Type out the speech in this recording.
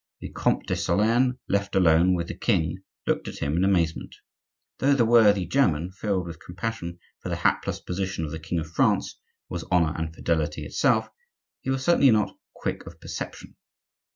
The Comte de Solern, left alone with the king, looked at him in amazement. Though the worthy German, filled with compassion for the hapless position of the king of France, was honor and fidelity itself, he was certainly not quick of perception.